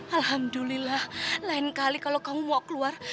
alhamdulillah lain kali kalau kamu mau keluar